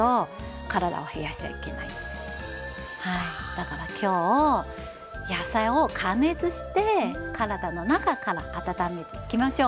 だから今日野菜を加熱して体の中から温めていきましょう。